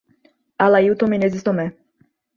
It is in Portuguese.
Alailton Menezes Tome